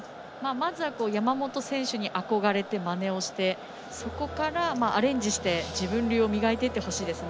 まずは、山本選手に憧れて、まねをして、そこからアレンジして自分流を磨いていってほしいですね。